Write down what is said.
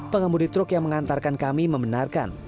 pengemudi truk yang mengantarkan kami membenarkan